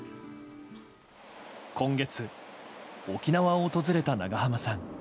今月、沖縄を訪れた長濱さん。